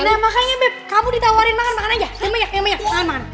nah makanya beb kamu ditawarin makan makan aja yang banyak yang banyak makan makan